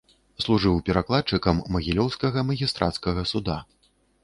Служыў перакладчыкам магілёўскага магістрацкага суда.